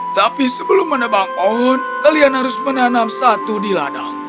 tapi sebelum menebang pohon kalian harus menanam satu di ladang